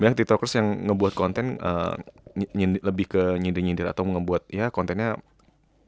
banyak tiktokers yang ngebuat konten lebih ke nyindir nyindir atau ngebuat ya kontennya ya mungkin itu juga itu juga gitu ya